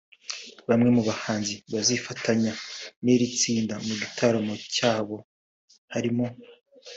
Bamwe mu bahanzi bazifatanya n'iri tsinda mu gitaramo cyabo harimo